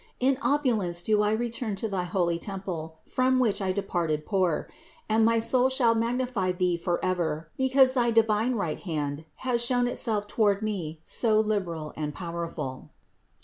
In opulence do I return to thy holy temple, from which I departed poor; and my soul shall magnify Thee forever, because thy divine right hand has shown itself toward me so liberal and powerful."